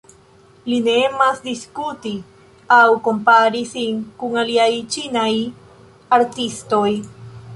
Li ne emas diskuti aŭ kompari sin kun aliaj ĉinaj artistoj.